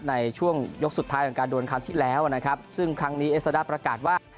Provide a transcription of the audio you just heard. ในช่วงยกสุดท้ายของการโดนครั้งที่แล้วนะครับซึ่งครั้งนี้เอสซาด้าประกาศว่า